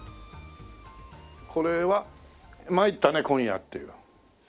これは「まいったネ今夜」っていう。